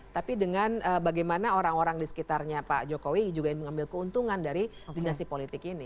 tapi dengan bagaimana orang orang di sekitarnya pak jokowi juga mengambil keuntungan dari dinasti politik ini